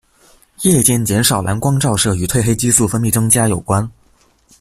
夜间减少蓝光照射与褪黑激素分泌增加有关。